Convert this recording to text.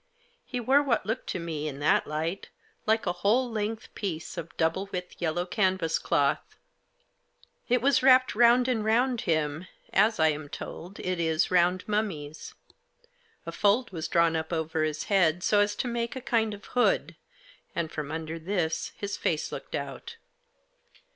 He wore what looked to me, in that light, like a whole length piece of double width yellow canvas cloth. It was wrapped round and round him, as, I am told, it is round mummies. A fold was drawn up over his head, so as to make a kind of hood, and from under this his face looked out.